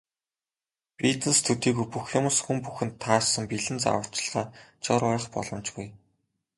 Бизнес төдийгүй бүх юмс, хүн бүхэнд таарсан бэлэн зааварчилгаа, жор байх боломжгүй.